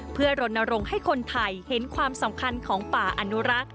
เพื่อรณรงค์ให้คนไทยเห็นความสำคัญของป่าอนุรักษ์